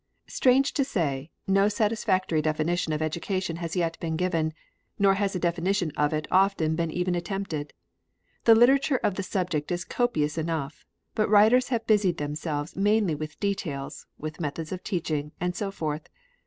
Strange to say, no satisfactory definition of education has yet been given, nor has a definition of it often been even attempted. The literature of the subject is copious enough. But writers have busied themselves mainly with details, with methods of teaching, and so forth.